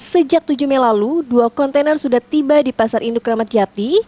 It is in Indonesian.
sejak tujuh mei lalu dua kontainer sudah tiba di pasar induk ramadjati